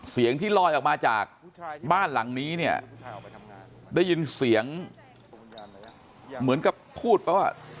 เสียงที่ลอยออกมาจากบ้านหลังนี้เนี่ยได้ยินเสียงเหมือนกับพูดไปว่า